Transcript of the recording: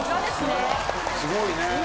すごいね。